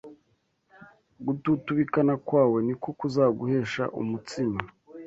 gututubikana kwawe ni ko kuzaguhesha umutsima